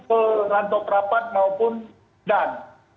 berantok rapat maupun dan